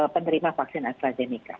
penerima vaksin astrazeneca